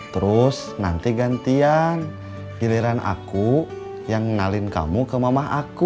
terus nanti gantian giliran aku yang ngalin kamu ke mamah aku